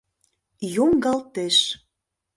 Йоҥгалтеш